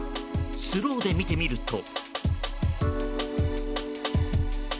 スローで見てみると。